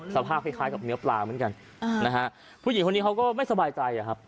สภาพคล้ายกับเนื้อปลาเหมือนกันนะฮะผู้หญิงคนนี้เขาก็ไม่สบายใจอะครับ